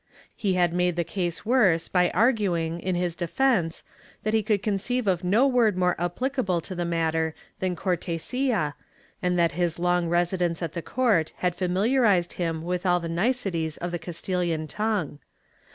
He had made the case worse by arguing, in his defence, that he could conceive of no word more applicable to the matter than cortesia, and that his long residence at the court had familiarized him with all the niceties of the Castilian tongue.